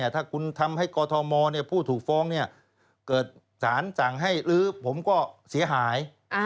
ถ้าคุณทำให้กอทมผู้ถูกฟ้องเกิดสารสั่งให้ลื้อผมก็เสียหาย